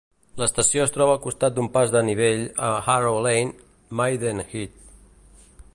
L'estació es troba al costat d'un pas de nivell a Harrow Lane, Maidenhead.